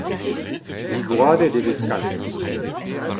Digoadet e vez kalz.